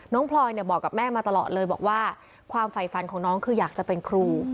พลอยบอกกับแม่มาตลอดเลยบอกว่าความฝ่ายฝันของน้องคืออยากจะเป็นครู